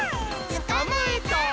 「つかまえた！」